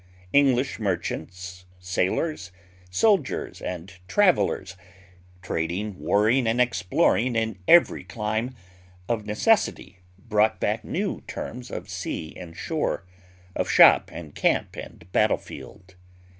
English merchants, sailors, soldiers, and travelers, trading, warring, and exploring in every clime, of necessity brought back new terms of sea and shore, of shop and camp and battlefield.